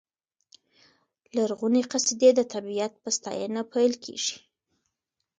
لرغونې قصیدې د طبیعت په ستاینه پیل کېږي.